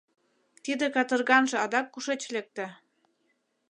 — Тиде катырганже адак кушеч лекте?